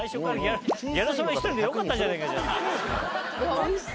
おいしそう。